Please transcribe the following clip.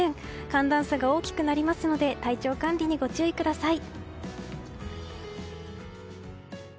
寒暖差が大きくなりますので体調管理にご注意ください。